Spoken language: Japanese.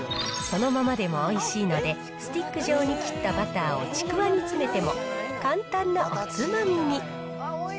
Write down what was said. そのままでもおいしいので、スティック状に切ったバターをちくわに詰めても、簡単なおつまみに。